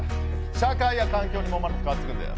社会や環境にもまれて変わっていくんだよ。